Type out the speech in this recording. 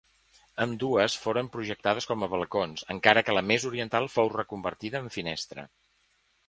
Ambdues foren projectades com a balcons encara que la més oriental fou reconvertida en finestra.